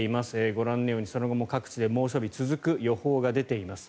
ご覧のように、その後も各地で猛暑日が続く予報が出ています。